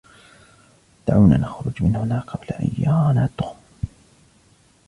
دعونا نخرج من هنا قبل أن يرانا توم.